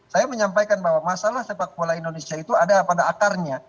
saya menyampaikan bahwa masalah sepak bola indonesia itu ada pada akarnya